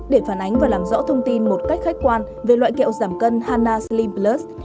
để phản ánh và làm rõ thông tin một cách khách quan về loại kẹo giảm cân hanna slim plus